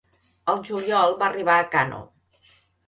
Al juliol va arribar a Kano.